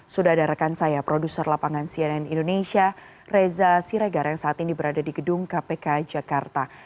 sudah ada rekan saya produser lapangan cnn indonesia reza siregar yang saat ini berada di gedung kpk jakarta